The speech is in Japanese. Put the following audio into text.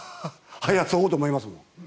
速そう！と思いますもん。